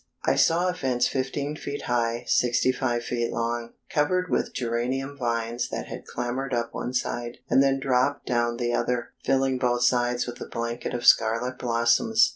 I saw a fence fifteen feet high, sixty five feet long, covered with geranium vines that had clambered up one side, and then dropped down the other, filling both sides with a blanket of scarlet blossoms.